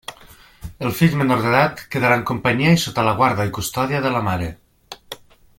El fill menor d'edat quedarà en companyia i sota la guarda i custòdia de la mare.